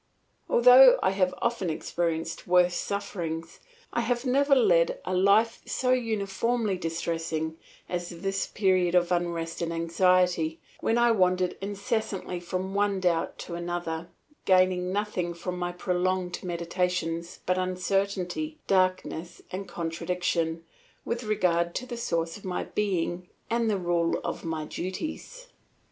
Although I have often experienced worse sufferings, I have never led a life so uniformly distressing as this period of unrest and anxiety, when I wandered incessantly from one doubt to another, gaining nothing from my prolonged meditations but uncertainty, darkness, and contradiction with regard to the source of my being and the rule of my duties.